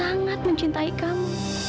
dia sangat mencintai kamu